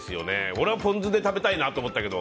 俺はポン酢で食べたいなと思ったけど。